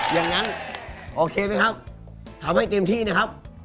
อย่างนั้นโอเคไหมครับทำให้เต็มที่นะครับ